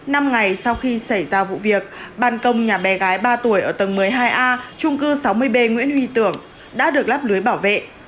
năm ngày sau khi xảy ra vụ việc ban công nhà bé gái ba tuổi ở tầng một mươi hai a trung cư sáu mươi b nguyễn huy tưởng đã được lắp lưới bảo vệ